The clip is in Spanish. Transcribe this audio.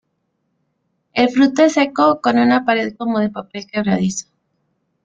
El fruto es seco, con una pared como de papel quebradizo.